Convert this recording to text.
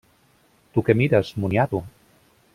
Tu què mires, moniato?